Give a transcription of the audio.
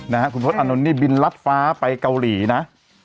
นะครับคุณพลสอานนนี่บินลัดฟ้าไปเกาหลีนะ